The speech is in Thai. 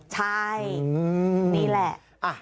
ใช่นี่แหละ